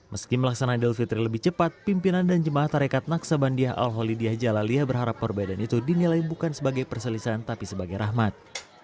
meski melaksanakan idul fitri lebih cepat pimpinan dan jemaah tarekat naksabandia al holidiyah jalaliyah berharap perbedaan itu dinilai bukan sebagai perselisahan tapi sebagai rahmat